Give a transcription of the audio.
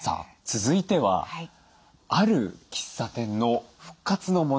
続いてはある喫茶店の復活の物語です。